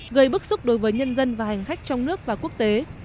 gây bức xúc đối với nhân dân và hành khách trong nước và quốc tế